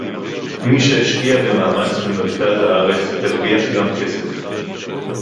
מי שהשקיע במאמץ במרכז הארץ הרוויח גם כסף